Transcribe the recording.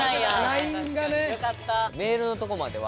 ＬＩＮＥがね。